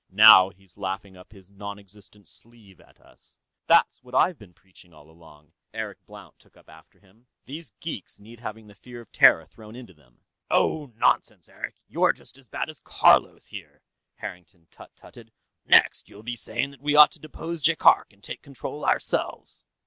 Now he's laughing up his non existent sleeve at us." "That's what I've been preaching, all along," Eric Blount took up after him. "These geeks need having the fear of Terra thrown into them." "Oh, nonsense, Eric; you're just as bad as Carlos, here!" Harrington tut tutted. "Next, you'll be saying that we ought to depose Jaikark and take control ourselves."